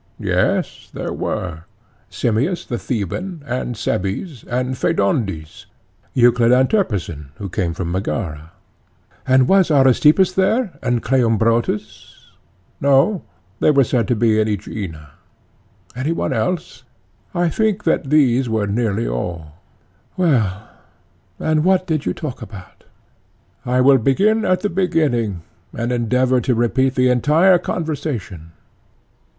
PHAEDO: Yes, there were; Simmias the Theban, and Cebes, and Phaedondes; Euclid and Terpison, who came from Megara. ECHECRATES: And was Aristippus there, and Cleombrotus? PHAEDO: No, they were said to be in Aegina. ECHECRATES: Any one else? PHAEDO: I think that these were nearly all. ECHECRATES: Well, and what did you talk about? PHAEDO: I will begin at the beginning, and endeavour to repeat the entire conversation.